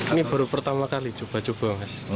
ini baru pertama kali coba coba mas